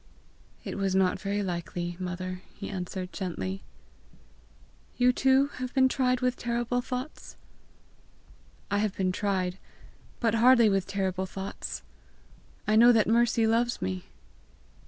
"It was not very likely, mother!" he answered gently. "You too have been tried with terrible thoughts?" "I have been tried, but hardly with terrible thoughts: I know that Mercy loves me!"